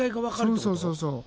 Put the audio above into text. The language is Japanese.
そうそうそうそう。